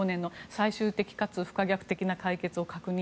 最終的かつ不可逆的な解決を確認。